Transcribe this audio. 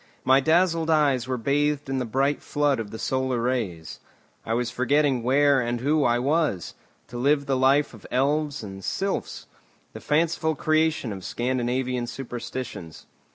My dazzled eyes were bathed in the bright flood of the solar rays. I was forgetting where and who I was, to live the life of elves and sylphs, the fanciful creation of Scandinavian superstitions.